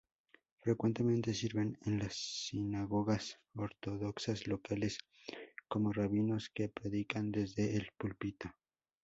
Frecuentemente sirven en las sinagogas ortodoxas locales, como rabinos que predican desde el púlpito.